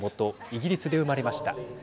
イギリスで生まれました。